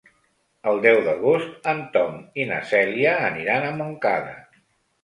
El deu d'agost en Tom i na Cèlia aniran a Montcada.